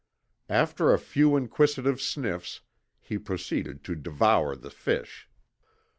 After a few inquisitive sniffs he proceeded to devour the fish.